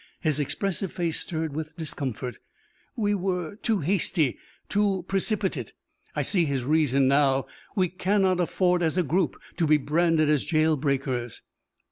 His expressive face stirred with discomfort. "We were too hasty, too precipitate. I see his reason now. We cannot afford as a group to be branded as jail breakers."